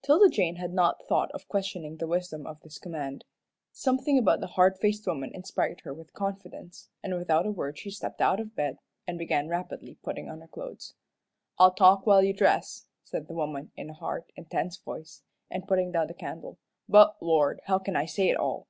'Tilda Jane had not a thought of questioning the wisdom of this command. Something about the hard faced woman inspired her with confidence, and without a word she stepped out of bed, and began rapidly putting on her clothes. "I'll talk while you dress," said the woman, in a hard, intense voice, and putting down the candle, "but, Lord, how can I say it all?"